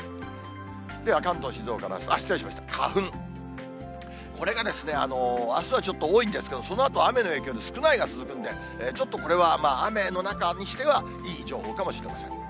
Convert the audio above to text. では、関東、静岡の様子、失礼しました、花粉、これがですね、あすはちょっと多いんですけど、そのあと雨の影響で少ないが続くんで、ちょっとこれは雨の中にしてはいい情報かもしれません。